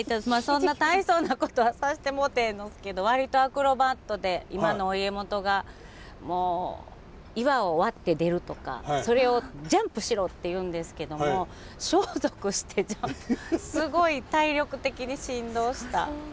そんな大層なことはさしてもろてへんのどすけど割とアクロバットで今のお家元がもう岩を割って出るとかそれをジャンプしろって言うんですけども装束してジャンプすごい体力的にしんどおした。